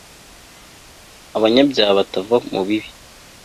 abanyabyaha batava mu bibi